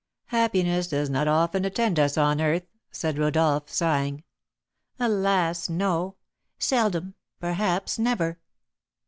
"Happiness does not often attend us on earth," said Rodolph, sighing. "Alas, no! Seldom, perhaps never."